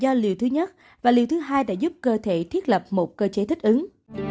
do liều thứ nhất và liều thứ hai đã giúp cơ thể thiết lập một cơ chế thích ứng